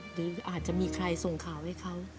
หรืออาจจะมีใครส่งข่าวให้เขา